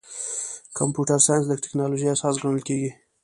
کمپیوټر ساینس د ټکنالوژۍ اساس ګڼل کېږي.